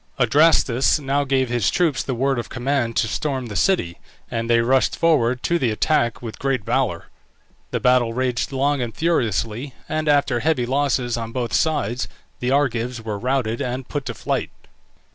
Adrastus now gave his troops the word of command to storm the city, and they rushed forward to the attack with great valour. The battle raged long and furiously, and after heavy losses on both sides the Argives were routed and put to flight.